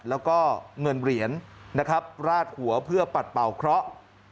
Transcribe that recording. และเงินเหรียญราดหัวเพื่อปัดเป่าเคราะห์